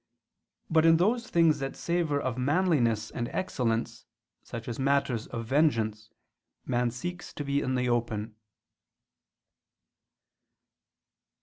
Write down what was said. But in those things that savor of manliness and excellence, such as matters of vengeance, man seeks to be in the open.